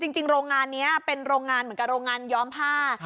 จริงโรงงานนี้เป็นโรงงานเหมือนกับโรงงานย้อมผ้า